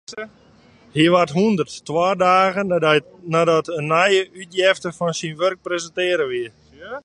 Hy waard hûndert, twa dagen neidat in nije útjefte fan syn wurk presintearre wie.